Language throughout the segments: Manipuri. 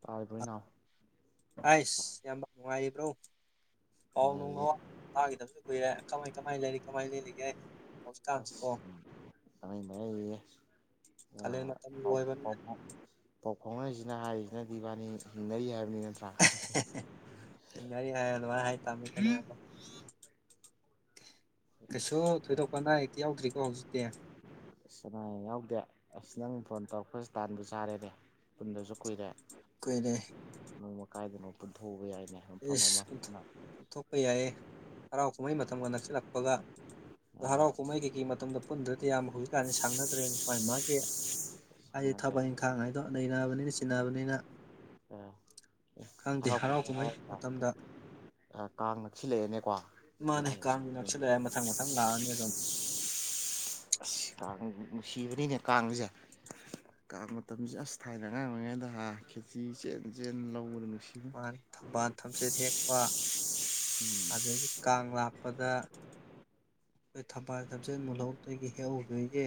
ꯇꯥꯔꯤꯕ ꯏꯅꯥꯎ꯫ ꯑꯩꯁ ꯏꯌꯥꯝꯕ ꯅꯨꯡꯉꯥꯏꯔꯤꯕ꯭ꯔꯣ ꯄꯥꯎ ꯅꯨꯡ ꯅꯨꯡꯉꯥꯏꯔꯤꯌꯦ ꯑꯣ ꯇꯥꯈꯤꯗꯕꯁꯨ ꯀꯨꯏꯔꯦ ꯀꯃꯥꯏ ꯀꯃꯥꯏ ꯂꯩꯔꯤ ꯀꯃꯥꯏ ꯂꯦꯜꯂꯤꯒꯦ꯫ ꯍꯧꯖꯤꯛꯀꯥꯟꯁꯤꯀꯣ ꯑꯁ ꯄꯟꯂꯩ ꯃꯔꯩꯔꯤꯌꯦ꯫ ꯀꯥꯂꯦꯟ ꯑ ꯃꯇꯝ ꯄꯥꯎ ꯂꯣꯏꯕꯅꯤꯅ ꯄꯥꯎ ꯄꯥꯎ ꯐꯥꯎꯅꯔꯤꯁꯤꯅ ꯍꯥꯏꯔꯤꯁꯤꯅꯗꯤ ꯏꯕꯥꯅꯤ ꯍꯤꯡꯅꯔꯤ ꯍꯥꯏꯕꯅꯤ ꯅꯠꯇ꯭ꯔꯥ꯫ ꯏꯪꯅꯔꯤ ꯍꯥꯏ ꯑꯗꯨꯃꯅ ꯍꯥꯏ ꯇꯃꯦ [unintelligible] ꯀꯩꯁꯨ ꯊꯣꯏꯗꯣꯛꯄ ꯑꯅꯥ ꯑꯌꯦꯛꯇꯤ ꯌꯥꯎꯗ꯭ꯔꯤꯀꯣ ꯍꯧꯖꯤꯛꯇꯤ꯫ ꯑꯁ ꯑꯅꯥꯥ ꯑꯌꯦꯛ ꯌꯥꯎꯗꯦ ꯑꯁ ꯅꯪ ꯐꯣꯟ ꯇꯧꯔꯛꯄꯁꯨ ꯇꯥꯟꯕꯨ ꯆꯥꯔꯦꯅꯦ꯫ ꯄꯨꯟꯗꯁꯨ ꯀꯨꯏꯔꯦ꯫ ꯀꯨꯏꯔꯦ꯫ ꯅꯣꯡꯃ ꯀꯥꯏꯗꯅꯣ ꯄꯨꯟꯊꯣꯛꯎꯧꯕ ꯌꯥꯏ꯫ ꯑꯦꯁ ꯄꯨꯟꯊꯣꯛ ꯄꯨꯊꯣꯛꯄ ꯌꯥꯏꯌꯦ ꯍꯔꯥꯎ ꯀꯨꯝꯍꯩ ꯃꯇꯝꯒ ꯅꯛꯁꯤꯜꯂꯛꯄꯒ꯫ ꯍꯔꯥꯎ ꯑꯥ ꯀꯨꯝꯍꯩ ꯀꯩꯀꯩ ꯃꯇꯝꯗ ꯄꯨꯟꯗ꯭ꯔꯗꯤ ꯏꯌꯥꯝꯕ ꯍꯧꯖꯤꯛ ꯀꯥꯟꯗꯤ ꯁꯪꯅꯗ꯭ꯔꯦꯅꯦ ꯃꯥꯥꯏ ꯃꯥꯒꯤ꯫ ꯍꯥꯏꯗꯤ ꯁꯪꯅꯗ꯭ꯔꯦ ꯊꯕꯛ ꯏꯪꯈꯥꯡ ꯍꯥꯏꯗꯣ ꯅꯩꯅꯕꯅꯤꯅ ꯆꯤꯟꯅꯕꯅꯤꯅ꯫ ꯑꯥ ꯈꯪꯗꯦ ꯍꯔꯥꯎ ꯀꯨꯝꯍꯩ ꯃꯇꯝꯗ꯫ ꯀꯥꯡ ꯅꯛꯁꯤꯜꯂꯛꯑꯦꯅꯦꯀꯣ ꯃꯥꯅꯦ ꯖꯨꯂꯥꯏ ꯀꯥꯡꯁꯨ ꯅꯛꯁꯤꯂꯛꯑꯦ ꯃꯊꯪ ꯃꯊꯪ ꯂꯥꯛꯑꯅꯤ ꯑꯗꯨꯝ [inaudible] ꯑꯁ ꯀꯥꯡ ꯅꯨꯡꯁꯤꯕꯅꯤꯅꯦ ꯀꯥꯡꯁꯦ꯫ ꯀꯥꯡ ꯃꯇꯝꯁꯤ ꯑꯁ ꯊꯥꯏꯅ ꯑꯉꯥꯡ ꯑꯣꯏꯔꯤꯉꯩꯗ ꯍꯥ ꯈꯦꯆꯤ ꯆꯦꯟ ꯆꯦꯟ ꯂꯧꯕꯗ ꯅꯨꯡꯁꯤ ꯃꯥꯅꯦ ꯊꯝꯕꯥꯜ ꯊꯝꯆꯠ ꯍꯦꯛꯄ ꯎꯝ ꯑꯗꯨꯗꯒꯤ ꯀꯥꯡ ꯂꯥꯞ ꯄꯗ ꯑꯩꯈꯣꯏ ꯊꯝꯕꯥꯜ ꯊꯝꯆꯦꯜ ꯃꯨꯜꯍꯧꯗꯣꯏꯒꯤ ꯍꯦꯛꯍꯧꯗꯣꯏꯒꯤ꯫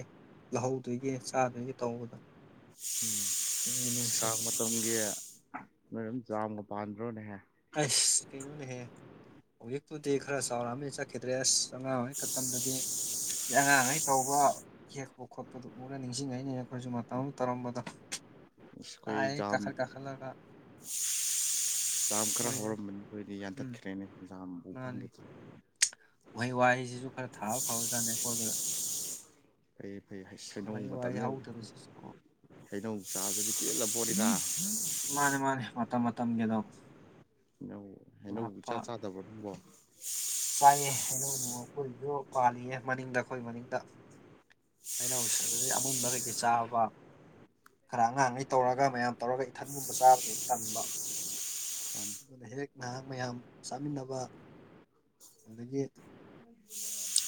ꯂꯧꯍꯧꯗꯣꯏꯒꯤ ꯆꯥꯗꯣꯏꯒꯤ ꯇꯧꯕꯗꯣ꯫ ꯅꯨꯡꯕꯨ ꯅꯨꯡꯁꯤ ꯀꯥꯡ ꯃꯇꯝꯒꯤ ꯅꯣꯏ ꯔꯣꯝ ꯆꯥꯝꯒ ꯄꯥꯟꯗ꯭ꯔꯣꯅꯦꯍꯦ꯫ ꯍꯩꯁ ꯀꯩꯅꯣꯅꯦꯍꯦ꯫ ꯍꯧꯖꯤꯛꯄꯨꯗꯤ ꯈꯔ ꯆꯥꯎꯔꯛꯑꯃꯤ ꯆꯠꯈꯤꯗ꯭ꯔꯦ ꯑꯁ ꯑꯉꯥꯡ ꯑꯣꯏꯔꯤ ꯈꯇꯝꯗꯗꯤ꯫ ꯑꯉꯥꯡꯉꯩ ꯇꯧꯕ ꯍꯦꯛꯄ ꯈꯣꯠꯄꯗꯣ꯫ ꯎꯔ ꯅꯤꯡꯁꯤꯡꯉꯛꯏꯅꯤꯅꯦ ꯑꯩꯈꯣꯏꯁꯨ ꯃꯇꯝ ꯑꯃ ꯇꯧꯔꯝꯕꯗꯣ ꯑꯩꯈꯣꯏ ꯀꯗꯥꯏ ꯖꯥꯝ ꯀꯥꯈꯠ ꯀꯥꯈꯠꯂꯒ꯫ ꯖꯥꯝ ꯈꯔ ꯑꯣꯏꯔꯦ ꯍꯧꯔꯝꯕꯅꯤ ꯑꯩꯈꯣꯏꯗꯤ ꯎꯝ ꯌꯥꯟꯊꯠꯈ꯭ꯔꯦꯅꯦꯖꯥꯝ ꯃꯥꯅꯤ꯫ ꯎꯍꯩ ꯋꯥꯍꯩꯁꯤꯁꯨ ꯈꯔ ꯊꯥꯕ ꯐꯕꯖꯥꯠꯅꯤ ꯑꯀꯣꯏꯕꯗ꯫ [unintelligible] ꯐꯩ ꯐꯩ ꯍꯩꯁ ꯍꯩꯅꯧ ꯎꯍꯩ ꯋꯥꯍꯩ ꯃꯇꯝꯅꯤꯅ ꯍꯧꯗꯕꯁꯤꯁꯨ ꯍꯩꯅꯧ ꯆꯥꯕꯗꯗꯤ ꯄꯦꯜꯂꯕꯣꯠꯅꯤꯗ꯫ ꯃꯥꯅꯦ ꯃꯥꯅꯦ ꯃꯇꯝ ꯃꯇꯝꯒꯤ ꯑꯗꯨꯝ ꯍꯩꯅꯧ ꯍꯩꯅꯧꯕꯨ ꯏꯆꯥ ꯆꯥꯗꯕ꯭ꯔꯣ ꯅꯪꯕꯨ꯫ ꯆꯥꯏꯑꯦ ꯍꯩꯅꯧ ꯑꯩꯈꯣꯏꯁꯨ ꯄꯥꯜꯂꯤꯌꯦ ꯃꯅꯤꯡꯗ ꯑꯩꯈꯣꯏ ꯃꯅꯤꯡꯗ꯫ ꯍꯩꯅꯧ ꯑꯗꯨꯗꯩ ꯑꯃꯨꯟꯕ ꯂꯩꯇꯦ ꯆꯥꯕ꯫ ꯈꯔ ꯑꯉꯥꯡꯈꯩ ꯇꯧꯔꯒ ꯃꯌꯥꯝ ꯇꯧꯔꯒ ꯏꯊꯟꯒꯨꯝꯕ ꯆꯥꯕꯃꯨꯛ ꯇꯟꯕ꯫ [unintelligible] ꯑꯗꯨꯅ ꯍꯦꯛ ꯅꯍꯥꯛ ꯃꯌꯥꯝ ꯆꯥꯃꯤꯟꯅꯕ꯫ ꯑꯗꯨꯗꯒꯤ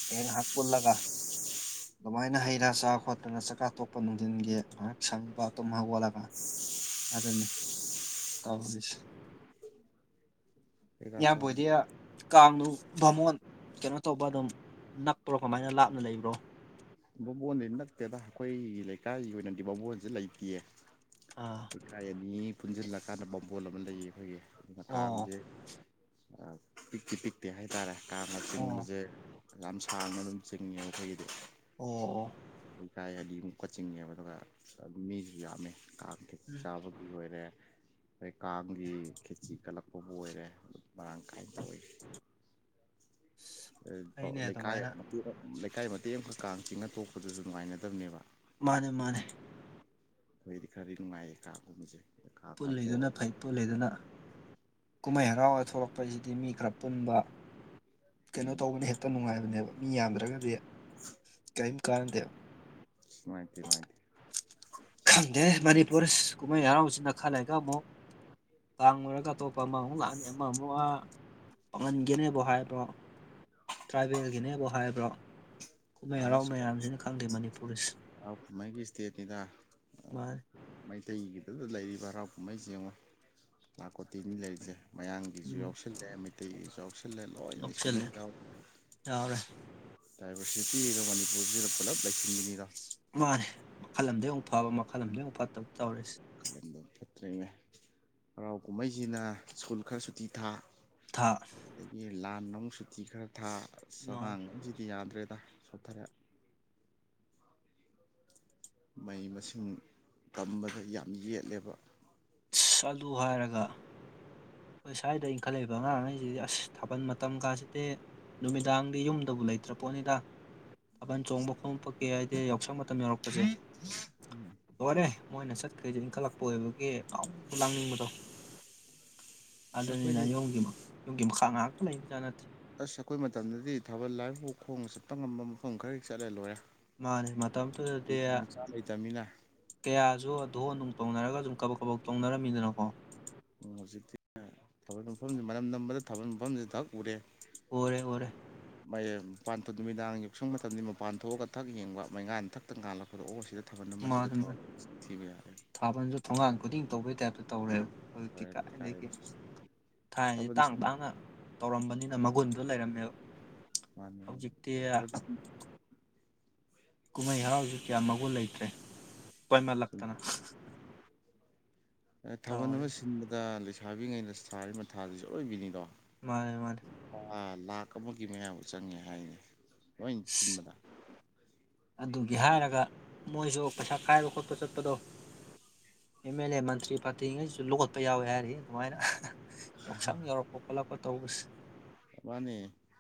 ꯍꯦꯛꯉꯥꯍꯥꯛ ꯄꯨꯜꯂꯒ꯫ [inaudible] ꯑꯗꯨꯃꯥꯏꯅ ꯍꯩ ꯔꯥ ꯆꯥ ꯈꯣꯠꯇꯅ ꯆꯥꯛꯀ ꯇꯣꯛꯄ ꯅꯨꯡꯊꯤꯟꯒꯤ ꯉꯥꯏꯍꯥꯛ ꯁꯪꯕ ꯇꯨꯝ ꯍꯧꯒꯜꯂꯒ꯫ ꯑꯗꯨꯅꯤ ꯇꯧꯖꯤꯁꯦ꯫ ꯍꯩꯔꯥ ꯏꯌꯥꯝꯕ ꯆꯥꯕꯗꯤ ꯍꯣꯏꯗꯤ ꯀꯥꯡꯅꯨ ꯕꯥꯃꯣꯟ ꯀꯩꯅꯣ ꯇꯧꯕ ꯑꯗꯨꯝ ꯅꯛꯄ꯭ꯔꯣ ꯀꯃꯥꯏꯅ ꯂꯥꯞꯅ ꯂꯩꯕ꯭ꯔꯣ꯫ ꯕꯥꯕꯣꯟ ꯅꯠꯇꯦꯗ ꯑꯈꯣꯏꯒꯤ ꯂꯩꯀꯥꯏꯒꯤ ꯑꯣꯏꯅꯗꯤ ꯕꯕꯣꯟꯁꯦ ꯂꯩꯇꯤꯌꯦ꯫ ꯑꯥ꯫ ꯂꯩꯀꯥꯏ ꯑꯅꯤ ꯄꯨꯟꯁꯤꯜꯂꯀꯥꯟꯗ ꯕꯥꯕꯣꯟ ꯑꯃ ꯂꯩꯌꯦ ꯑꯈꯣꯏꯒꯤ ꯑꯣ ꯃꯇꯥꯝꯁꯦ ꯄꯤꯛꯇꯤ ꯄꯤꯛꯇꯦ ꯍꯥꯏꯇꯥꯔꯦ ꯀꯥꯡꯒ ꯑꯣ ꯆꯤꯡꯕꯁꯦ ꯌꯥꯝ ꯁꯥꯡꯅ ꯑꯗꯨꯝ ꯆꯤꯡꯉꯦ ꯑꯈꯣꯏꯒꯤꯗꯤ꯫ ꯑꯣ ꯑꯣ꯫ ꯂꯩꯀꯥꯏ ꯑꯗꯤꯃꯨꯛ ꯀ ꯆꯤꯡꯉꯦꯕ ꯑꯗꯨꯒ ꯃꯤꯁꯨ ꯌꯥꯝꯃꯦ ꯀꯥꯡꯒꯤ꯫ [unintelligible] ꯆꯥꯕꯒꯤ ꯑꯣꯏꯔꯦ꯫ ꯑꯗꯩ ꯀꯥꯡꯒꯤ ꯈꯦꯠꯆꯤ ꯀꯠꯂꯛꯄꯕꯨ ꯑꯣꯏꯔꯦ ꯃꯔꯥꯡ ꯀꯥꯏꯅ ꯇꯧꯋꯤ꯫ ꯐꯩꯅꯦ ꯂꯩꯀꯥꯏ ꯑꯗꯨꯃꯥꯏꯅ ꯃꯇꯨꯅ ꯂꯩꯀꯥꯏ ꯃꯇꯦꯛ ꯑꯃꯈꯛ ꯀꯥꯡ ꯆꯤꯡꯉ ꯇꯣꯛꯄꯗꯨꯁꯨ ꯅꯨꯡꯉꯥꯏꯅꯗꯕꯅꯦꯕ꯫ ꯃꯥꯅꯦ ꯃꯥꯅꯤ꯫ ꯑꯈꯣꯏꯗꯤ ꯈꯔꯗꯤ ꯅꯨꯡꯉꯥꯏꯌꯦ ꯀꯥꯡꯒꯨꯝꯕꯁꯦ ꯀꯥ ꯀꯥꯇꯣꯛ ꯄꯨꯜꯂꯤꯗꯨꯅ ꯐꯩ ꯄꯨꯜꯂꯤꯗꯨꯅ ꯀꯨꯝꯍꯩ ꯍꯔꯥꯎꯒ ꯊꯣꯛꯂꯛꯄꯁꯤꯗꯤ ꯃꯤ ꯈꯔ ꯄꯨꯟꯕ ꯀꯩꯅꯣ ꯎꯝ ꯇꯧꯕꯅ ꯍꯦꯛꯇ ꯅꯨꯡꯉꯥꯏꯕꯅꯦꯕ ꯃꯤ ꯌꯥꯝꯗ꯭ꯔꯒꯗꯤ ꯀꯔꯤꯝ ꯀꯥꯟꯅꯗꯦꯕ꯫ ꯅꯨꯡꯉꯥꯏꯇꯦ ꯅꯨꯡꯉꯥꯏꯇꯦ꯫ ꯈꯪꯗꯦ ꯃꯅꯤꯄꯨꯔꯁ ꯀꯨꯝꯍꯩ ꯍꯔꯥꯎꯁꯤꯅ ꯈꯥ ꯂꯩꯒ ꯑꯃꯨꯛ ꯀꯥꯡ ꯂꯣꯏꯔꯒ ꯑꯇꯣꯞꯄ ꯑꯃ ꯑꯃꯨꯛ ꯂꯥꯛꯑꯅꯤ ꯑꯃ ꯑꯃꯨꯛ ꯑ ꯄꯪꯒꯟꯒꯤꯅꯦꯕꯨ ꯍꯥꯏꯕ꯭ꯔꯣ ꯇ꯭ꯔꯥꯏꯕꯦꯜꯒꯤꯅꯦꯕꯨ ꯍꯥꯏꯕ꯭ꯔꯣ ꯀꯨꯝꯍꯩ ꯍꯔꯥꯎ ꯑꯁ ꯃꯌꯥꯝꯁꯤꯅ ꯈꯪꯗꯦ ꯃꯅꯤꯄꯨꯔꯁꯦ ꯍꯔꯥꯎ ꯀꯨꯃꯩꯒꯤ ꯏꯁꯇꯦꯠꯅꯤꯗ ꯃꯥ ꯃꯩꯇꯩꯒꯤꯗꯗ ꯂꯩꯔꯤꯕ ꯍꯔꯥꯎ ꯀꯨꯝꯍꯩꯁꯦ ꯌꯦꯡꯉꯣ ꯂꯥꯛ ꯀꯣꯇꯤꯅꯤ ꯂꯩꯔꯤꯁꯦ꯫ ꯃꯌꯥꯡꯒꯤꯁꯨ ꯎꯝ ꯌꯥꯎꯁꯜꯂꯦ ꯃꯩꯇꯩꯒꯤꯁꯨ ꯌꯥꯎꯁꯜꯂꯦ ꯂꯣꯏ ꯌꯥꯎꯁꯜꯂꯦ ꯁꯨꯨꯅꯕꯥ ꯌꯥꯎ ꯌꯥꯎꯔꯦ꯫ ꯅꯨꯄꯤꯁꯨ ꯃꯅꯤꯄꯨꯔꯁꯤꯗ ꯄꯨꯂꯞ ꯂꯩꯁꯤꯟꯕꯤꯅꯤꯗꯣ꯫ ꯃꯥꯅꯦ ꯃꯈꯜ ꯑꯝꯗ ꯑꯃꯨꯛ ꯐꯕ ꯃꯈꯜ ꯑꯝꯗ ꯑꯃꯨꯛ ꯐꯠꯇꯕ ꯇꯧꯔꯤꯁꯦ꯫ [unintelligible] ꯐꯠꯇ꯭ꯔꯤꯅꯦ ꯍꯔꯥꯎ ꯀꯨꯝꯍꯩꯁꯤꯅ ꯁ꯭ꯀꯨꯜ ꯈꯔ ꯁꯨꯇꯤ ꯊꯥ꯫ ꯊꯥ ꯑꯗꯒꯤ ꯂꯥꯟ ꯑꯃꯨꯛ ꯁꯨꯇꯤ ꯈꯔ ꯊꯥ ꯃꯥꯅꯦ ꯑꯉꯥꯡꯒꯩꯁꯤꯗꯤ ꯌꯥꯗ꯭ꯔꯦꯗ ꯁꯣꯠꯊꯔꯦ꯫ ꯃꯍꯩ ꯃꯁꯤꯡ ꯇꯝꯕꯗ ꯌꯥꯝ ꯌꯦꯠꯂꯦꯕ ꯑꯗꯨ ꯍꯥꯏꯔꯒ ꯑꯈꯣꯏ ꯁ꯭ꯋꯥꯏꯗ ꯏꯟꯈꯠꯂꯛꯏꯕ ꯑꯉꯥꯡ ꯉꯩꯁꯤꯗꯤ ꯑꯁ ꯊꯥꯕꯜ ꯃꯇꯝ ꯀꯥꯁꯤꯗꯤ ꯅꯨꯃꯤꯗꯥꯡꯗꯤ ꯌꯨꯝꯗꯕꯨ ꯂꯩꯇ꯭ꯔ ꯄꯣꯠꯅꯤꯗ ꯊꯥꯕꯜ ꯆꯣꯡꯕ [unintelligible] ꯌꯥꯎꯁꯪ ꯃꯇꯝ ꯌꯥꯎꯔꯛꯄꯁꯦ ꯂꯣꯏꯔꯦ ꯃꯣꯏꯅ ꯆꯠꯈ꯭ꯔꯤꯗꯤ ꯏꯟꯈꯠꯂꯛꯄ ꯑꯣꯏꯕꯒꯤ ꯉꯥꯎꯅꯤꯡꯕ ꯂꯥꯡꯅꯤꯡꯕꯗꯣ ꯑꯁ ꯑꯗꯨꯅꯤꯗ ꯑꯩꯈꯣꯏꯗꯤ ꯌꯨꯝꯒꯤ ꯌꯨꯝꯒꯤ ꯃꯈꯥ ꯉꯥꯏꯍꯥꯛꯇ ꯂꯩꯕꯖꯥꯠ ꯅꯠꯇꯦ꯫ ꯑꯁ ꯑꯈꯣꯏ ꯃꯇꯝꯗꯗꯤ ꯊꯥꯕꯜ ꯂꯥꯏꯄꯨ ꯈꯣꯡꯅ ꯆꯠꯄ ꯉꯝꯕ ꯃꯐꯝ ꯈꯔ ꯆꯠꯂꯦ ꯂꯣꯏꯔꯦ꯫ ꯃꯥꯅꯤ ꯃꯇꯝꯗꯨꯗꯗꯤ ꯃꯆꯥ ꯂꯩꯇꯕꯅꯤꯅ ꯀꯌꯥꯁꯨ ꯙꯣꯟ ꯅꯨꯡ ꯇꯧꯅꯔꯒ ꯑꯗꯨꯝ ꯀꯕꯛ ꯀꯕꯛ ꯇꯧꯅꯔꯝꯃꯤꯗꯅꯀꯣ꯫ ꯍꯧꯖꯤꯛꯇꯤ ꯊꯥꯕꯜ ꯃꯐꯝꯁꯤ ꯃꯅꯝ ꯅꯝꯕꯗ ꯊꯥꯕꯜ ꯃꯐꯝꯁꯤ ꯊꯛ ꯎꯔꯦ꯫ ꯎꯔꯦ ꯎꯔꯦ꯫ ꯃꯩꯁꯦ ꯃꯄꯥꯟ ꯅꯨꯃꯤꯗꯥꯡ ꯌꯥꯎꯁꯪ ꯃꯇꯝꯗꯤ ꯃꯄꯥꯟ ꯊꯣꯛꯑꯒ ꯊꯛ ꯌꯦꯡꯕ ꯃꯩꯉꯥꯟꯗ ꯊꯛꯊꯛ ꯉꯥꯜꯂꯛꯄꯗꯣ ꯑꯣ ꯑꯁꯤꯗ ꯊꯥꯕꯟ ꯑꯃ ꯁꯤꯗ ꯊꯕꯟ [unintelligible] ꯊꯤꯕ ꯌꯥꯔꯦ ꯊꯥꯕꯟꯖꯨ ꯊꯣꯡꯒꯥꯟ ꯈꯨꯗꯤꯡ ꯇꯧꯕꯩ ꯇꯥꯏꯞꯇ ꯇꯧꯔꯦꯞ ꯍꯧꯖꯤꯛꯇꯤ ꯂꯣꯏꯔꯦ ꯀꯥꯏꯗꯒꯤ ꯂꯩꯀꯥꯏꯁꯨ [unintelligible] ꯊꯥꯏꯅꯏ ꯇꯥꯡ ꯊꯥꯕꯜꯁꯤꯟ ꯇꯥꯡꯅ ꯇꯧꯔꯝꯕꯅꯤꯅ ꯃꯒꯨꯟꯗꯣ ꯂꯩꯔꯝꯃꯦ ꯃꯥꯅꯦ [unintelligible] ꯊꯕꯛ [unintelligible] ꯀꯨꯝꯍꯩ ꯍꯔꯥꯎꯁꯨ ꯀꯌꯥ ꯃꯒꯨꯟ ꯂꯩꯇ꯭ꯔꯦ ꯇꯣꯏꯃꯜꯂꯛꯇꯅ ꯑꯦ ꯊꯥꯕꯜ ꯇꯧꯔꯦ ꯑꯃ ꯁꯤꯟꯕꯗ ꯂꯩꯁꯥꯕꯤꯉꯩꯅ ꯁꯥꯔꯤ ꯃꯊꯥꯖꯤꯁꯨ ꯑꯔꯣꯏꯕꯤꯅꯤꯗꯣ ꯃꯥꯅꯦ ꯃꯥꯅꯦ [unintelligible] ꯄꯥ ꯂꯥꯛ ꯑꯃꯒꯤ ꯃꯌꯥꯕꯨ ꯆꯪꯉꯦ ꯍꯥꯏꯅꯦ ꯂꯣꯏ ꯆꯤꯟꯕꯗ ꯑꯗꯨꯒꯤ ꯍꯥꯏꯔꯒ ꯃꯣꯏꯁꯨ ꯄꯩꯁꯥ ꯈꯥꯏꯕ ꯈꯣꯠꯄ ꯆꯠꯄꯗꯣ ꯑꯦꯝ ꯑꯦꯜ ꯑꯦ ꯃꯟꯇ꯭ꯔꯤ ꯐꯥꯠꯇꯤꯉꯩꯁꯨ ꯂꯣꯠꯄ ꯌꯥꯎꯋꯦ ꯍꯥꯏꯔꯤ ꯑꯗꯨꯃꯥꯏꯅ [unintelligible] ꯌꯥꯎꯁꯪ ꯌꯧꯔꯛꯄ ꯈꯣꯠꯂꯛꯄ ꯇꯧꯕꯁꯦ [unintelligible] ꯃꯥꯅꯦ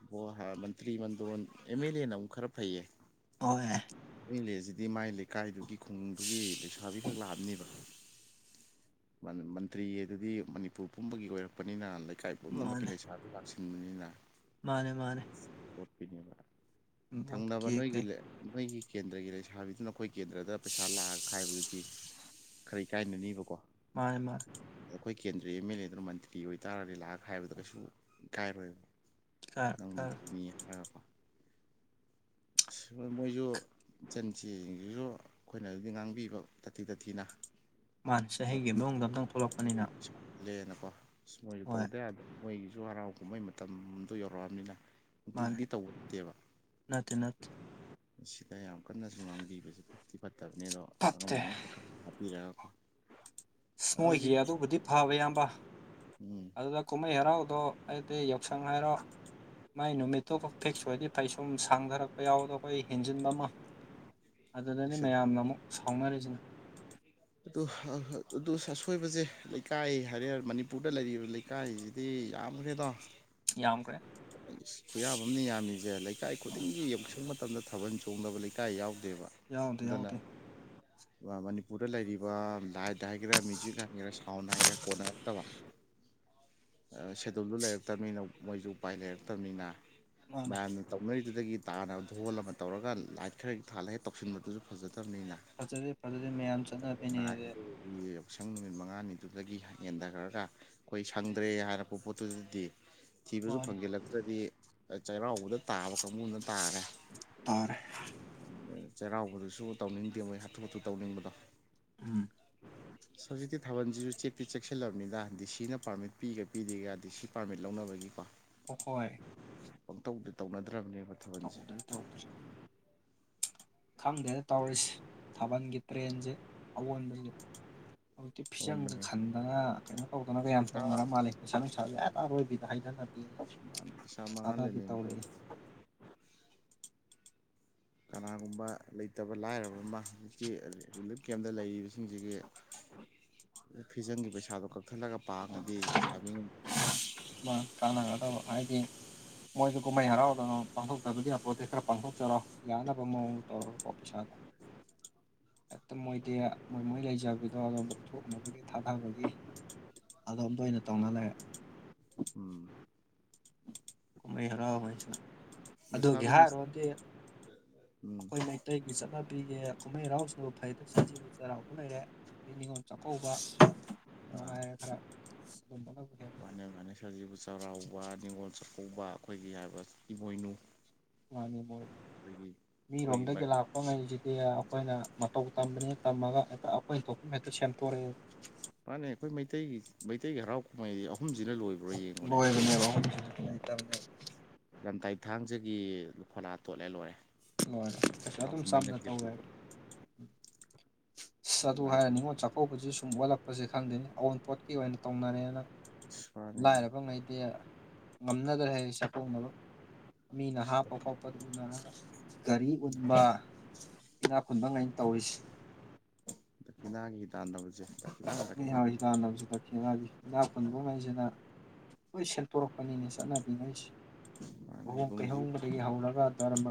ꯕꯣ ꯍꯥ ꯃꯟꯇ꯭ꯔꯤ ꯃꯟꯗꯣꯟ ꯑꯦꯝ ꯑꯦꯜ ꯂꯦꯅ ꯃꯨꯛ ꯈꯔ ꯐꯩꯌꯦ ꯍꯣꯏ ꯃꯤꯂꯦꯁꯤꯗꯤ ꯃꯥꯏ ꯂꯩꯀꯥꯏꯗꯨꯒꯤ ꯈꯨꯡꯒꯪꯗꯨꯒꯤ ꯂꯩꯁꯥꯕꯤꯈꯛ ꯂꯥꯛꯑꯝꯅꯤꯕ ꯃꯟ ꯃꯟꯇ꯭ꯔꯤ ꯑꯗꯨꯗꯤ ꯃꯅꯤꯄꯨꯔ ꯄꯨꯝꯕꯒꯤ ꯑꯣꯏꯔꯛꯄꯅꯤꯅ ꯂꯩꯀꯥꯏ ꯄꯨꯝꯅꯃꯛꯀꯤ ꯃꯥꯅꯦ ꯂꯩꯁꯥꯞ ꯂꯥꯛꯁꯤꯟꯕꯅꯤꯅ ꯃꯥꯅꯦ ꯃꯥꯅꯦ [unintelligible] ꯊꯪꯅꯕ ꯚꯣꯠꯀꯤ ꯅꯣꯏꯒꯤ ꯀꯩ ꯂꯦ ꯅꯣꯏꯒꯤ ꯀꯦꯟꯗ꯭ꯔꯒꯤ ꯂꯩꯁꯥꯕꯤꯗꯨꯅ ꯑꯈꯣꯏ ꯀꯦꯟꯗ꯭ꯔꯗ ꯄꯩꯁꯥ ꯂꯥꯛꯑ ꯈꯥꯏꯕꯗꯨꯗꯤ ꯈꯔ ꯏꯀꯥꯏꯅꯅꯤꯕꯀꯣ ꯃꯥꯅꯦ ꯃꯥ ꯈꯣꯏ ꯀꯦꯟꯗ꯭ꯔꯩ ꯑꯦꯝ ꯑꯦꯜ ꯂꯦꯗꯨꯅ ꯃꯟꯇ꯭ꯔꯤ ꯑꯣꯏꯇꯥꯔꯗꯤ ꯂꯥꯛꯑ ꯈꯥꯏꯕꯗ ꯀꯩꯁꯨ ꯏꯀꯥꯏꯔꯣꯏ ꯀꯥꯔ ꯅꯪꯃꯟ ꯀꯥꯔ [unintelligible] ꯃꯤ [unintelligible] ꯃꯣꯏꯖꯨ ꯏꯆꯟ ꯏꯆꯦꯁꯤꯡꯁꯤꯁꯨ ꯑꯈꯣꯏꯅꯗꯤ ꯉꯥꯡꯕꯤꯕ ꯇꯊꯤ ꯇꯊꯤꯅ ꯃꯥꯅꯦ ꯆꯍꯤꯒꯤ ꯃꯅꯨꯡꯗ ꯑꯝꯇꯪ ꯊꯣꯛꯂꯛꯄꯅꯤꯅ [unintelligible] ꯂꯦꯅꯀꯣ [unintelligible] ꯃꯣꯏꯖꯨ ꯍꯣꯏ ꯇꯧꯗ ꯌꯥꯗ ꯃꯣꯏꯒꯤꯁꯨ ꯍꯔꯥꯎ ꯀꯨꯝꯍꯩ ꯃꯇꯝꯗꯨ ꯌꯧꯔꯛꯑꯝꯅꯤꯅ ꯃꯥꯅꯦ ꯅꯨꯛꯇꯤꯒꯤꯗꯤ ꯇꯧꯕ ꯇꯦꯕ ꯅꯠꯇꯦ ꯅꯠꯇꯦ [unintelligible] ꯁꯤꯗ ꯌꯥꯝ ꯀꯟꯅꯁꯨ ꯉꯥꯡꯕꯤꯕꯖꯦ ꯐꯠꯇꯤ ꯐꯠꯇꯕꯅꯤ ꯑꯗꯣ ꯑꯉꯝ ꯐꯠꯇꯦ ꯑꯉꯝ [unintelligible] [unintelligible] ꯍꯥꯄꯤꯔꯒꯀꯣ [unintelligible] [unintelligible] ꯃꯣꯏꯒꯤ ꯑꯗꯨꯕꯨꯗꯤ ꯐꯥꯕ ꯏꯌꯥꯝꯕ ꯎꯝ ꯑꯗꯨꯗ ꯀꯨꯝꯍꯩ ꯍꯔꯥꯎꯗꯣ ꯑꯩꯗꯤ ꯌꯥꯎꯁꯪ ꯍꯥꯏꯔꯣ ꯃꯥꯏ ꯅꯨꯃꯤꯠꯇꯣ [unintelligible] ꯐꯤꯛꯁ ꯑꯣꯏꯔꯗꯤ ꯐꯩ ꯁꯨꯝ ꯁꯥꯡꯙꯥꯔꯛꯄ ꯌꯥꯎꯕꯗꯣ ꯑꯈꯣꯏ ꯍꯦꯟꯖꯤꯟꯕ ꯑꯃ ꯑꯗꯨꯗꯅꯤ ꯃꯌꯥꯝꯅ ꯑꯃꯨꯛ ꯁꯥꯎꯅꯔꯤꯁꯤꯅ ꯑꯗꯨ ꯍꯥ ꯍꯛ ꯑꯗꯨ ꯁ ꯑꯁꯣꯏꯕꯁꯦ ꯂꯩꯀꯥꯏ ꯍꯥꯏꯔꯦ ꯃꯅꯤꯄꯨꯔꯗ ꯂꯩꯔꯤꯕ ꯂꯩ ꯀꯥꯏꯖꯤꯗꯤ ꯌꯥꯝꯈ꯭ꯔꯦꯗ ꯌꯥꯝꯈ꯭ꯔꯦ ꯏꯁ ꯈꯨꯌꯥꯝ ꯑꯝꯅꯤ ꯌꯥꯝꯃꯤꯖꯦ ꯂꯩꯀꯥꯏ ꯈꯨꯗꯤꯡꯒꯤ ꯌꯧꯁꯪ ꯃꯇꯝꯗ ꯊꯥꯕꯜ ꯆꯣꯡꯗꯕ ꯂꯩꯀꯥꯏ ꯌꯥꯎꯗꯦꯕ ꯌꯥꯎꯗꯦ ꯑꯗꯨꯅ ꯌꯥꯎꯗꯦ ꯏꯃꯥ ꯃꯅꯤꯄꯨꯠ ꯗ ꯂꯩꯔꯤꯕ ꯂꯥꯏꯠ ꯍꯥꯏꯒꯦꯔꯥ ꯃ꯭ꯌꯨꯖꯤꯛ ꯍꯥꯏꯒꯦꯔꯥ ꯁꯥꯎꯟ ꯍꯥꯏꯒꯦ ꯀꯣꯟꯅꯔꯛꯇꯕ [unintelligible] ꯑꯥ ꯁꯦꯗꯨꯜꯗꯨ ꯂꯩꯔꯛꯇꯝꯅꯤꯅ ꯃꯣꯏꯖꯨ ꯎꯄꯥꯏ ꯂꯩꯔꯛꯇꯝꯅꯤꯅ [unintelligible] ꯃꯥꯅꯦ ꯃꯌꯥꯝꯅ ꯇꯧꯅꯔꯤꯗꯨꯗꯒꯤ ꯇꯥꯅ ꯙꯣꯜ ꯑꯃ ꯇꯧꯔꯒ ꯂꯥꯏꯠ ꯈꯔ ꯊꯥꯜꯂꯒ ꯍꯦꯛ ꯇꯧꯁꯤꯟꯕꯗꯨꯖꯨ ꯐꯖꯗꯝꯅꯤꯅ ꯐꯖꯔꯦ ꯐꯖꯗꯦ ꯃꯌꯥꯝꯁꯤ [unintelligible] ꯅꯍꯥꯟꯒꯤ [unintelligible] ꯌꯥꯎꯁꯪ ꯅꯨꯃꯤꯠ ꯃꯉꯥꯅꯤꯗꯨꯗꯒꯤ ꯍ ꯍꯦꯟꯗꯒ꯭ꯔꯒ ꯑꯈꯣꯏ ꯁꯪꯗ꯭ꯔꯦ ꯍꯥꯏꯔꯛꯄ ꯄꯣꯠꯇꯨꯗꯗꯤ ꯊꯤꯕꯖꯨ ꯃꯥꯅꯤ ꯐꯪꯖꯤꯜꯂꯛꯇ꯭ꯔꯗꯤ ꯑ ꯆꯩꯔꯥꯎꯕꯗ ꯇꯥꯕ ꯀꯥꯡꯕꯨꯅ ꯇꯥꯔꯦ ꯇꯥꯔꯦ꯫ ꯆꯩꯔꯥꯎꯕꯗꯨꯁꯨ ꯇꯧꯅꯤꯡꯗꯦ ꯃꯣꯏ ꯍꯥꯊꯨ ꯍꯥꯊꯨ ꯇꯧꯅꯤꯡꯕꯗꯣ__ ꯎꯝ꯫ ꯍꯧꯖꯤꯛꯇꯤ ꯊꯥꯕꯜꯁꯤꯁꯨ ꯆꯦꯛꯇꯤ ꯆꯦꯛꯁꯤꯜꯂꯕꯅꯤꯅ ꯗꯤ ꯁꯤꯅ ꯄꯥꯔꯃꯤꯠ ꯄꯤꯒ ꯄꯤꯗꯦꯒ ꯗꯤ ꯁꯤ ꯄꯥꯔꯃꯤꯠ ꯂꯧꯅꯕꯒꯤꯀꯣ꯫ ꯄꯣꯛꯍꯣꯏ ꯄꯛꯇꯧꯗꯤ ꯇꯧꯅꯗ꯭ꯔꯕꯅꯦꯕ ꯊꯥꯕꯜꯁꯦ꯫ ꯇꯧꯗ꯭ꯔꯦ ꯈꯪꯗꯦꯅ ꯇꯧꯔꯤꯁꯤ ꯊꯥꯕꯜꯒꯤ ꯇ꯭ꯔꯦꯟꯁꯦ ꯑꯑꯣꯟꯕꯅꯤ꯫ ꯍꯥꯏꯗꯤ ꯐꯤꯖꯪꯒ ꯑꯑꯣꯟꯕꯅꯦ ꯈꯟꯗꯅ ꯀꯩꯅꯣ ꯇꯧꯗꯅꯒ ꯌꯥꯝ ꯄꯩꯁꯥ ꯇꯧꯅꯔ ꯃꯥꯜꯂꯦ꯫ ꯄꯩꯁꯥ ꯅꯨꯡꯁꯥꯁꯦ ꯍꯦꯛꯇ ꯑꯔꯣꯏꯕꯤꯗ ꯍꯩꯗꯅꯕꯤ꯫ ꯄꯩꯁꯥ ꯃꯥꯡꯍꯜꯂꯤꯃꯤ__ ꯀꯅꯥꯒꯨꯝꯕ ꯂꯩꯇꯕ ꯂꯥꯏꯔꯕ ꯑꯃ ꯍꯧꯖꯤꯛꯀꯤ ꯔꯤꯂꯤꯞ ꯀꯦꯝꯗ ꯂꯩꯔꯤꯕꯁꯤꯡꯁꯤꯒꯤ꯫ [inaudible] ꯐꯤꯖꯪꯒꯤ ꯄꯩꯁꯥꯗꯣ ꯀꯛꯊꯠꯂꯒ ꯄꯥꯡꯉꯗꯤ ꯂꯩꯁꯥꯕꯤꯡ ꯃꯥꯟꯅꯦ ꯀꯅꯒꯗ ꯍꯥꯏꯗꯤ꯫ ꯃꯣꯏꯁꯨ ꯀꯨꯝꯍꯩ ꯍꯔꯥꯎꯗꯅꯣ ꯄꯥꯡꯊꯣꯛꯇꯕꯗꯤ ꯌꯥꯄꯣꯟꯇꯦ ꯈꯔ ꯄꯥꯡꯊꯣꯛꯆꯔꯣ꯫ ꯌꯥꯅꯕ ꯃꯑꯣꯡꯗ ꯇꯧꯔꯣꯀꯣ ꯄꯩꯁꯥꯗꯣ ꯍꯦꯛꯇ ꯃꯣꯏꯗꯤ ꯃꯣꯏ ꯃꯣꯏ ꯂꯩꯖꯕ__ ꯑꯗꯣ ꯑꯗꯣꯝꯗ ꯊꯣꯛ ꯃꯣꯛꯀꯤ ꯊꯥꯗꯕꯒꯤ ꯑꯗꯣꯝꯗ ꯑꯣꯏꯅ ꯇꯧꯅ ꯂꯩꯔꯦ꯫ ꯎꯝ ꯀꯨꯝꯃꯩ ꯍꯔꯥꯎ ꯍꯣꯏꯁꯤꯅ ꯑꯗꯨꯒꯤ ꯂꯩꯁꯥꯕꯤ ꯍꯥꯏꯔꯨꯔꯗꯤ ꯎꯝ ꯑꯈꯣꯏ ꯃꯩ ꯇꯩꯒꯤ ꯆꯠꯅꯕꯤꯒꯤ ꯀꯨꯝꯍꯩ ꯍꯔꯥꯎꯁꯤꯅꯕꯨ ꯐꯩꯗꯕ ꯁꯤꯖꯤꯕꯨ ꯆꯩꯔꯥꯎꯕ ꯂꯩꯔꯦ꯫ ꯑꯗꯩ ꯅꯤꯉꯣꯜ ꯆꯥꯛꯀꯧꯕ ꯑꯥ ꯃꯉꯥꯏꯔꯒ ꯑꯗꯨꯝꯕꯅꯕꯨ ꯍꯦꯟꯅ꯫ ꯒꯥꯅꯦꯁꯥꯖꯤꯕꯨ ꯆꯩꯔꯥꯎꯔꯕ ꯅꯤꯉꯣꯜ ꯆꯥꯛꯀꯧꯕ ꯑꯈꯣꯏꯒꯤ ꯍꯥꯏꯕ ꯏꯃꯣꯏꯅꯨ꯫ ꯃꯥꯅꯤ ꯃꯣꯏ ꯑꯩꯈꯣꯏꯒꯤ ꯑꯩꯈꯣꯏꯒꯤ ꯃꯤꯔꯣꯝꯗꯒꯤ ꯃꯔꯤꯁꯦ ꯂꯥꯛꯄ ꯉꯩꯁꯤꯗꯤ ꯑꯈꯣꯏꯅ ꯃꯇꯧ ꯇꯝꯕꯅꯤ꯫ ꯇꯝꯃꯒ ꯍꯦꯛꯇ ꯑꯈꯣꯏꯟ ꯊꯣꯛꯄ ꯍꯦꯛꯇ ꯁꯦꯝꯇꯣꯔꯛꯑꯦ꯫ ꯃꯥꯅꯦ ꯑꯈꯣꯏ ꯃꯩꯇꯩꯒꯤ ꯃꯩꯇꯩꯒꯤ ꯍꯔꯥꯎ ꯀꯨꯝꯍꯩꯗꯤ ꯑꯍꯨꯝꯁꯤꯅ ꯂꯣꯏꯕ__ ꯂꯣꯕꯅꯦꯕ ꯑꯍꯨꯝꯁꯤꯅ ꯂꯩꯇꯕꯅꯦ ꯂꯝꯇꯥꯏ ꯊꯥꯡꯖꯒꯤ ꯐꯣꯂꯥ ꯇꯣꯠꯂꯦ ꯂꯣꯏꯔꯦ ꯍꯣꯏ ꯀꯩꯁꯨ ꯍꯔꯥꯎ ꯑꯗꯨꯝ ꯀꯨꯝꯍꯩ ꯆꯝꯅ ꯅꯠꯇꯦ ꯇꯧꯋꯦꯕ ꯑꯗꯨ ꯂꯥꯏ ꯍꯥꯏꯔ ꯅꯤꯉꯣꯜ ꯆꯥꯛ ꯑꯧꯕꯁꯨ ꯁꯨꯝ ꯑꯣꯜꯂꯛꯄꯁꯦ ꯈꯪꯗꯦꯅꯦ ꯑꯋꯨꯟꯄꯣꯠꯀꯤ ꯑꯣꯏꯅ ꯇꯧꯅꯔꯦꯅ ꯃꯥꯅꯦ ꯂꯥꯏꯔꯕ ꯉꯩꯗꯤ ꯉꯝꯅꯗ꯭ꯔꯦ ꯍꯩ ꯆꯥꯛꯀꯧꯅꯕ ꯃꯤꯅ ꯍꯥꯞꯄ ꯐꯣꯞꯄꯗꯨ ꯎꯅꯔꯒ ꯒꯥꯔꯤ ꯎꯟꯕ ꯏꯅꯥ ꯈꯨꯨꯟꯕ ꯉꯩꯅ ꯇꯧꯔꯤꯁꯦ ꯗꯈꯤꯅꯥꯒꯤ ꯇꯥꯟꯕꯝꯁꯦ ꯗꯈꯤꯅꯥ ꯗꯈꯤꯅꯥ [unintelligible] ꯂꯩꯕꯥꯒꯤ ꯏꯅꯥ ꯈꯨꯨꯟꯕꯉꯩꯁꯤꯅ ꯂꯣꯏ ꯁꯦꯟꯇꯣꯔꯛꯄꯅꯤꯅꯦ ꯆꯠꯅꯕꯤꯉꯩꯁꯦ ꯃꯥꯅ ꯂꯨꯍꯣꯡ ꯏꯕꯨꯡꯁꯤ ꯄꯩꯍꯣꯡꯕꯗꯒꯤ ꯍꯧꯔꯒ ꯗ꯭ꯔꯝ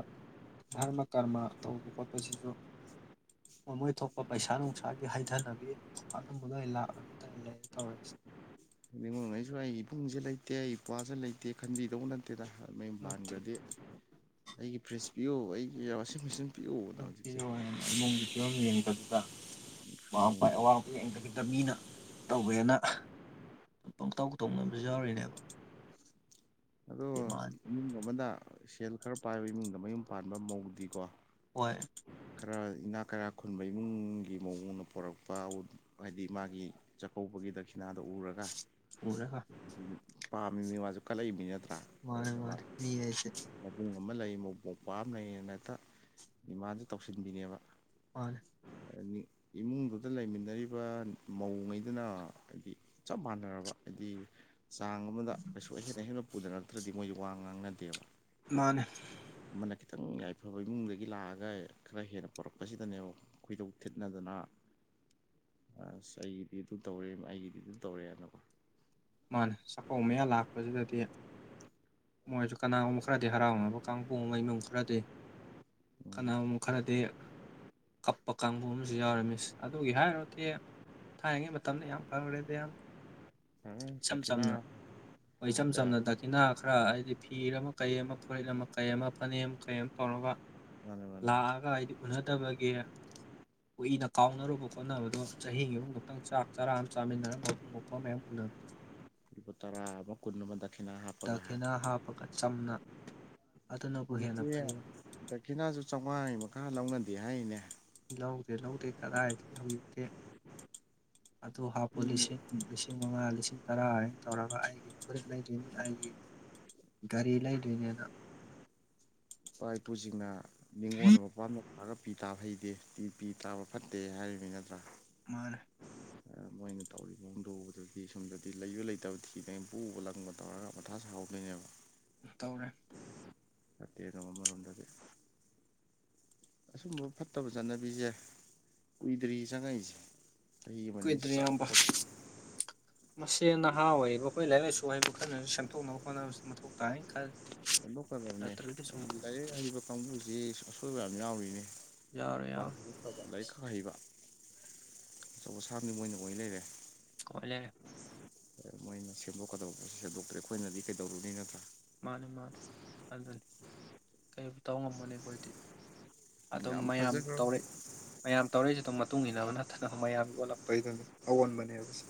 ꯙ꯭ꯔꯃ ꯀ꯭ꯔꯃ ꯇꯧꯕ ꯈꯣꯠꯄꯁꯤꯁꯨ ꯃꯣꯏ ꯃꯣꯏ ꯊꯣꯛꯄ ꯄꯩꯁꯥ ꯅꯨꯡꯁꯥꯒꯤ ꯍꯩꯊꯅꯕꯤ ꯑꯗꯨꯝꯕꯗꯣ ꯂꯥꯛ ꯃꯇꯨꯡ ꯏꯂꯦ ꯇꯧꯔꯤꯁꯦ ꯅꯤꯡꯉꯣꯒꯩꯁꯨ ꯑꯩ ꯏꯕꯨꯡꯁꯦ ꯂꯩꯇꯦ ꯑꯩ ꯏꯄ꯭ꯋꯥꯁꯦ ꯂꯩꯇꯦ ꯈꯟꯕꯤꯗꯧ ꯅꯠꯇꯦꯅ ꯃꯌꯨꯝ ꯄꯥꯟꯈꯒꯔꯗꯤ ꯑꯩꯒꯤ ꯐ꯭ꯔꯤꯖ ꯄꯤꯌꯨ ꯑꯩꯒꯤ ꯋꯥꯁꯤꯡ ꯃꯦꯆꯤꯟ ꯄꯤꯌꯨꯅ ꯍꯧꯖꯤꯛꯁꯦ ꯅꯨꯄꯤꯑꯣꯏꯅ ꯏꯃꯨꯡꯒꯤ ꯐꯤꯕꯝ ꯌꯦꯡꯕꯕꯤꯗ ꯃꯥꯄꯥꯏ ꯌꯦꯡꯗ꯭ꯔꯦ ꯑꯋꯥ ꯌꯦꯡꯗꯕꯤꯗ ꯃꯤꯅ ꯇꯧꯋꯦꯅ ꯄꯪꯇꯧ ꯇꯧꯅꯕꯁꯨ ꯌꯥꯎꯔꯤꯅꯦꯕ ꯑꯗꯣ ꯗꯤꯃꯥꯟ ꯏꯃꯨꯡ ꯑꯃꯅ ꯁꯦꯜ ꯈꯔ ꯄꯥꯏꯕ ꯏꯃꯨꯡꯗ ꯃꯌꯨꯝ ꯄꯥꯟꯕ ꯃꯧꯗꯤꯀꯣ ꯍꯣꯏ ꯈꯔ ꯏꯅꯥꯛ ꯀꯩꯔꯛ ꯈꯨꯟꯕ ꯏꯃꯨꯡꯒꯤ ꯃꯧꯅ ꯄꯣꯔꯛꯄ ꯑꯎꯟ ꯍꯥꯏꯗꯤ ꯃꯥꯒꯤ ꯆꯥꯛꯀꯧꯕꯒꯤ ꯗꯈꯤꯅꯥꯗꯣ ꯎꯔꯨꯔꯒ ꯎꯔꯒ ꯄꯥꯝꯃꯤ ꯃꯤ ꯃꯥꯖꯨ ꯀꯜꯂꯛꯏꯃꯤ ꯅꯠꯇ ꯃꯥꯅꯦ ꯑꯗꯨꯗ ꯃꯥꯅꯦ ꯃꯥꯅ ꯃꯤ ꯍꯥꯏꯁꯦ ꯃ ꯑꯃ ꯂꯩ ꯃꯧꯃꯧꯄꯨꯋꯥ ꯑꯃ ꯂꯩꯌꯦꯅ ꯍꯦꯛꯇ ꯗꯤꯃꯥꯟꯖꯦ ꯇꯧꯁꯤꯟꯕꯤꯅꯦꯕ ꯃꯅꯦ ꯏꯃꯨꯡꯗꯨꯗ ꯂꯩꯃꯤꯟꯅꯔꯤꯕ ꯃꯧꯉꯩꯗꯨꯅ ꯍꯥꯏꯗꯤ ꯆꯥꯞ ꯃꯥꯟꯅꯔꯕ ꯍꯥꯏꯗꯤ ꯆꯥꯡ ꯑꯃꯗ ꯀꯩꯁꯨ ꯑꯍꯦꯟ ꯑꯍꯦꯟꯕ ꯄꯨꯅꯔꯛꯇ꯭ꯔꯗꯤ ꯃꯣꯏꯖꯨ ꯋꯥ ꯉꯥꯡꯅꯗꯦꯕ ꯃꯥꯅꯦ ꯑꯃꯅ ꯈꯤꯇꯪ ꯌꯥꯏꯐꯕ ꯏꯃꯨꯡꯗꯒꯤ ꯂꯥꯛꯑꯒ ꯈꯔ ꯍꯦꯟꯅ ꯄꯣꯔꯛꯄꯖꯤꯗꯅꯦꯕ ꯈꯣꯏꯗꯧ ꯊꯤꯠꯅꯗꯅ ꯑꯁ ꯑꯩꯒꯤꯗꯤ ꯑꯗꯨ ꯇꯧꯔꯦ ꯑꯩꯒꯤꯗꯤ ꯑꯗꯨ ꯇꯧꯔꯦꯅꯀꯣ ꯃꯥꯅꯦ ꯆꯥꯀꯧ ꯃꯌꯥ ꯂꯥꯛ ꯁꯤꯗꯗꯤ ꯃꯣꯏꯖꯨ ꯀꯅꯥꯒꯨꯝꯕ ꯈꯔꯗꯤ ꯍꯔꯥꯎꯅꯕ ꯀꯥꯡꯕꯨ ꯑꯃ ꯏꯃꯨꯡ ꯈꯔꯗꯤ ꯎꯝ ꯀꯅꯥꯒꯨꯝꯕ ꯈꯔꯗꯤ ꯀꯥꯞꯄ ꯀꯥꯡꯕꯨ ꯑꯃꯖꯨ ꯌꯥꯎꯔꯝꯃꯤꯁ ꯑꯗꯨꯒꯤ ꯍꯥꯏꯔꯨꯔꯗꯤ ꯊꯥꯏꯅꯉꯩ ꯃꯇꯝꯗ ꯌꯥꯝ ꯐꯈ꯭ꯔꯦꯗ ꯏꯌꯥꯝ ꯐꯔꯦ ꯏꯆꯥꯝ ꯗꯈꯤꯅꯥ ꯆꯥꯝꯅ ꯍꯣꯏ ꯏꯆꯥꯝ ꯀꯌꯥ ꯆꯥꯝꯅ ꯗꯛ ꯗꯈꯤꯅꯥ ꯈꯔ ꯍꯥꯏꯗꯤ ꯐꯤꯔ ꯑꯃ ꯀꯩ ꯑꯃ ꯐꯨꯔꯤꯠ ꯑꯃ ꯀꯩ ꯑꯃ ꯐꯅꯦꯛ ꯑꯃ ꯀꯩ ꯑꯃ ꯇꯧꯔꯒ ꯃꯥꯅꯦ ꯃꯥꯅꯦ ꯂꯥꯛꯑꯒ ꯑꯩꯗꯤ ꯎꯅꯗꯕꯒꯤ ꯀꯨꯏꯅ ꯀꯥꯎꯅꯔꯨꯕ ꯈꯣꯠꯅꯔꯨꯕꯗꯣ ꯆꯍꯤ ꯑꯃꯒꯤ ꯃꯅꯨꯡꯗ ꯑꯃꯨꯛꯇꯪ ꯆꯥꯛ ꯆꯔꯥ ꯑꯃ ꯆꯥꯃꯤꯟꯅꯔꯒ ꯃꯕꯨꯡ ꯃꯧꯄꯨꯋꯥ ꯃꯌꯥꯝ ꯎꯅꯕꯗꯣ ꯂꯨꯄꯥ ꯇꯔꯥ ꯑꯃ ꯀꯨꯟ ꯑꯃ ꯗꯛꯈꯤꯅ ꯍꯥꯞ ꯗꯈꯤꯅꯥ ꯍꯥꯞꯄꯒ ꯆꯥꯝꯅ ꯍꯧꯖꯤꯛꯇꯤ ꯗꯈꯤꯅꯥꯖꯨ ꯆꯧꯉꯥꯒꯤ ꯃꯈꯥ ꯂꯧꯅꯗꯦ ꯍꯥꯏꯔꯤꯅꯦ ꯂꯧꯗꯦ ꯂꯧꯗꯦ ꯀꯗꯥꯏꯗꯒꯤ ꯍꯧꯖꯤꯛꯇꯤ ꯑꯗꯨ ꯍꯥꯞꯄꯨ ꯃꯤ ꯂꯤꯁꯤꯡ ꯂꯤꯁꯤꯡ ꯃꯉꯥ ꯂꯤꯁꯤꯡ ꯇꯔꯥ ꯍꯥꯏꯅ ꯇꯧꯔꯒ ꯑꯩꯒꯤ ꯐꯨꯔꯤꯠ ꯂꯩꯗꯣꯏꯅꯤ ꯑꯩꯒꯤ ꯒꯥꯔꯤ ꯂꯩꯗꯣꯏꯅꯦꯅ ꯏꯄꯥ ꯏꯄꯨꯖꯤꯡꯅ ꯅꯤꯡꯉꯣꯟꯅ ꯃꯄꯥꯝꯗ ꯂꯛꯑꯒ ꯄꯤ ꯇꯍꯩꯗꯦ ꯄꯤ ꯄꯤ ꯇꯥꯕ ꯐꯠꯇꯦ ꯍꯥꯏꯔꯤꯃꯤ ꯅꯠꯇ꯭ꯔꯥ ꯃꯥꯅꯦ ꯃꯣꯏꯅ ꯇꯧꯔꯤꯕ ꯃꯑꯣꯡꯗꯣ ꯎꯕꯗꯗꯤ ꯁꯣꯝꯗꯗꯤ ꯂꯩꯕ ꯂꯩꯇꯕ ꯊꯤꯗꯉꯩ ꯄꯨꯕ ꯂꯪꯕ ꯇꯧꯔꯒ ꯃꯊꯥ ꯁꯥꯍꯧꯗꯣꯏꯅꯦꯕ ꯇꯧꯔꯦ ꯑꯗꯨꯒ ꯑꯃꯔꯣꯝꯗꯗꯤ ꯑꯁꯨꯝꯕ ꯐꯠꯇꯕ ꯆꯠꯅꯕꯤꯖꯦ ꯀꯨꯏꯗ꯭ꯔꯤ ꯆꯪꯉꯛꯏꯖꯦ ꯀꯨꯏꯗ꯭ꯔꯤꯏꯌꯥꯝꯕ ꯃꯁꯦ ꯅꯍꯥ ꯑꯣꯏꯔꯤꯕ ꯑꯈꯣꯏ ꯂꯥꯏꯔꯤꯛ ꯂꯥꯏꯁꯨ ꯍꯩꯕ ꯈꯔꯅꯁꯨ ꯁꯦꯝꯗꯣꯛꯅꯕ ꯍꯣꯠꯅꯕꯁꯦ ꯃꯊꯧ ꯇꯥꯏ ꯈꯔ ꯁꯦꯝꯗꯣꯛꯀꯗꯕꯅꯦ ꯂꯥꯏꯔꯤꯛ ꯍꯩꯕ ꯀꯥꯡꯕꯨꯖꯤ ꯑꯁꯣꯏꯕ ꯌꯥꯝ ꯌꯥꯎꯔꯤꯅꯦ [unintelligible] ꯌꯥꯔꯣꯏ ꯑꯐ ꯌꯥꯔꯣꯏ ꯂꯥꯏꯔꯤꯛ ꯈꯛ ꯍꯩꯕ ꯑꯆꯧ ꯑꯁꯥꯡꯗꯤ ꯃꯣꯏꯅ ꯑꯣꯏ ꯂꯩꯔꯦ ꯀꯣꯜꯂꯦ ꯃꯣꯏꯅ ꯁꯦꯝꯗꯣꯛꯀꯗꯧꯕꯗꯣ ꯁꯦꯝꯗꯣꯛꯇ꯭ꯔꯦ ꯑꯈꯣꯏꯅꯗꯤ ꯀꯩꯗꯧꯔꯨꯅꯤ ꯅꯠꯇ꯭ꯔꯥ ꯃꯥꯅꯤ ꯃꯥꯅꯤ ꯑꯗꯨꯅꯤ ꯀꯩꯕꯨ ꯇꯧ ꯉꯝꯃꯨꯅꯤ ꯑꯈꯣꯏꯗꯤ ꯑꯗꯨꯝ ꯌꯥꯝ ꯃꯌꯥꯝ ꯐꯖꯈ꯭ꯔꯕ ꯇꯧꯔꯦ ꯃꯌꯥꯝ ꯇꯧꯔꯛꯏꯁꯤꯗꯨ ꯃꯇꯨꯡ ꯏꯟꯅꯕ ꯅꯠꯇꯅ ꯃꯌꯥꯝ ꯑꯣꯜꯂꯛꯄꯩꯗꯨꯅꯤ ꯑꯑꯣꯟꯕꯅꯦꯕꯁꯦ